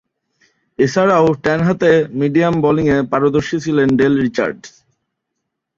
এছাড়াও, ডানহাতে মিডিয়াম বোলিংয়ে পারদর্শী ছিলেন ডেল রিচার্ডস।